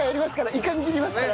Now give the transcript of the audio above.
イカ握りますから。